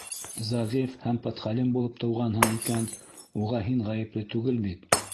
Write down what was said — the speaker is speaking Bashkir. Зәғиф һәм подхалим булып тыуғанһың икән, уға һин ғәйепле түгел бит.